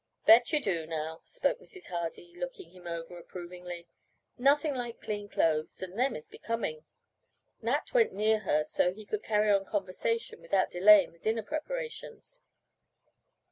"Bet you do now," spoke Mrs. Hardy, looking him over approvingly. "Nothing like clean clothes, and them is becoming." Nat went near her so he could carry on conversation without delaying the dinner preparations.